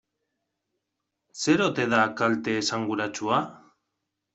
Zer ote da kalte esanguratsua?